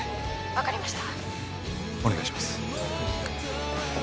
分かりましたお願いします